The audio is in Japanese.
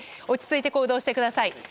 落ち着いて行動してください。